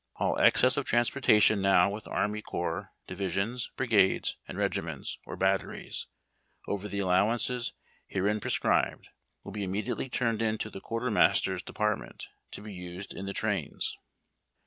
All excess of transportation now with Army Corps, Divisions, Brigades, and Kegiments, or Batteries, over the allowances herein j)rescribed, will be immediately turned in to the Quartermaster's De partment, to be used in the trains.